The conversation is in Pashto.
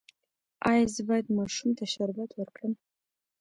ایا زه باید ماشوم ته شربت ورکړم؟